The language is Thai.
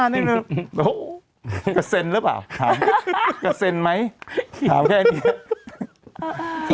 โหกระเซนหรือเปล่ากระเซนไหมถามแค่นี้